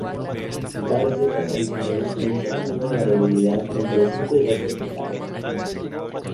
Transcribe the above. Las recetas originales mencionan una variabilidad entre cinco y doce vegetales.